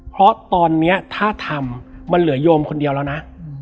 เพราะตอนนี้ถ้าทำมันเหลือโยมคนเดียวแล้วนะ